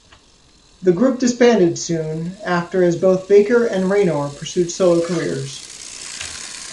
The group disbanded soon after as both Baker and Rayner pursued solo careers.